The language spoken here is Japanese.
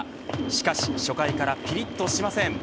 しかし初回からぴりっとしません。